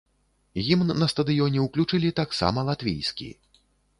Гімн на стадыёне ўключылі таксама латвійскі.